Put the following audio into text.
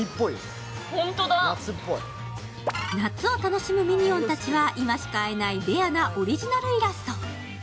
夏を楽しむミニオンたちは、今しか会えないオリジナルイラスト。